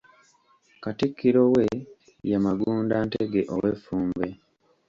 Katikkiro we ye Magunda Ntege ow'Effumbe.